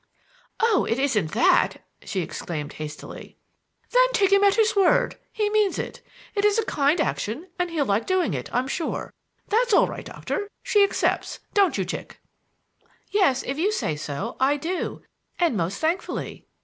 "Oh, it isn't that!" she exclaimed hastily. "Then take him at his word. He means it. It is a kind action and he'll like doing it, I'm sure. That's all right, Doctor; she accepts, don't you, chick?" "Yes, if you say so, I do; and most thankfully."